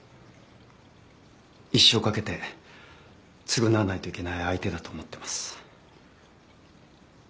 一生かけて償わないといけない相手だと思ってます。